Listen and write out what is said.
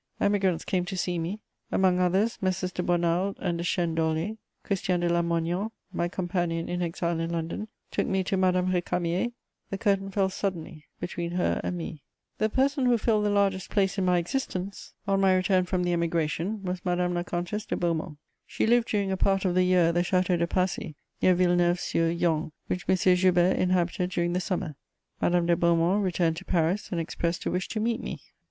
Emigrants came to see me: among others, Messrs, de Bonald and de Chênedollé. Christian de Lamoignon, my companion in exile in London, took me to Madame Récamier: the curtain fell suddenly between her and me. [Sidenote: The Comtesse de Beaumont.] The person who filled the largest place in my existence, on my return from the Emigration, was Madame la Comtesse de Beaumont. She lived during a part of the year at the Château de Passy, near Villeneuve sur Yonne, which M. Joubert inhabited during the summer. Madame de Beaumont returned to Paris, and expressed a wish to meet me.